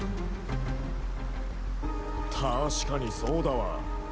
確かにそうだわ。